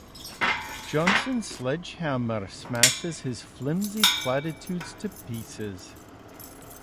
Johnson's sledge-hammer smashes his flimsy platitudes to pieces.